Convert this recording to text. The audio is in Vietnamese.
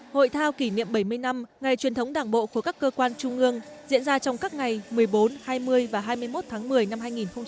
hội thao kỷ niệm bảy mươi năm ngày truyền thống đảng bộ khối các cơ quan trung ương diễn ra trong các ngày một mươi bốn hai mươi và hai mươi một tháng một mươi năm hai nghìn hai mươi